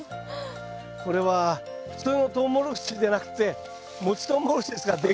これは普通のトウモロコシじゃなくてもちトウモロコシですからでかいですね